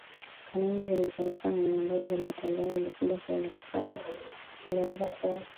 kanuni zilizowekwa na miongozo iliyotolewa ilikuja kueleweka kuwa